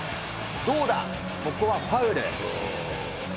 どうだ、ここはファウル。